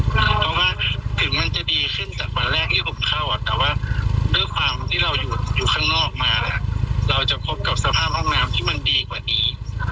เพราะว่าถึงมันจะดีขึ้นจากวันแรกที่ผมเข้าอ่ะแต่ว่าด้วยความที่เราอยู่ข้างนอกมาเนี่ยเราจะพบกับสภาพห้องน้ำที่มันดีกว่านี้